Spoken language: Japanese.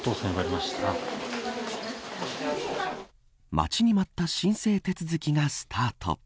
待ちに待った申請手続きがスタート。